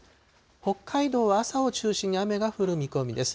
北海道は朝を中心に雨が降る見込みです。